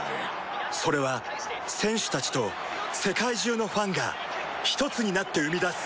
それは選手たちと世界中のファンがひとつになって生み出す